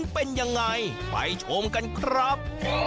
เป็นยังไงไปชมกันครับ